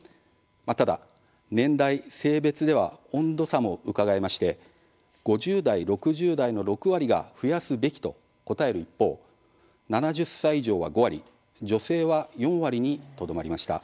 ただ年代、性別では温度差もうかがえまして５０代、６０代の６割が「増やすべき」と答える一方７０歳以上は５割女性は４割にとどまりました。